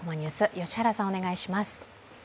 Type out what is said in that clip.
良原さん、お願いします。